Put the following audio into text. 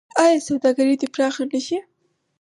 آیا سوداګري دې پراخه نشي؟